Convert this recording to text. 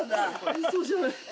うそじゃない。